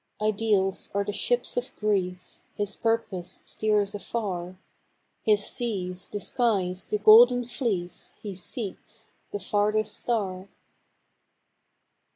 Ideals are the ships of Greece His purpose steers afar: His seas, the skies, the Golden Fleece He seeks, the farthest star.